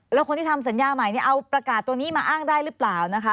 แล้วคนที่ทำสัญญาใหม่เอาประกาศตัวนี้มาอ้างได้หรือเปล่านะคะ